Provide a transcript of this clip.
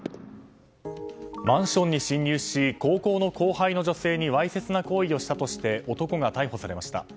マンションに侵入し高校の後輩の女性にわいせつな行為をしたとして男が逮捕されました。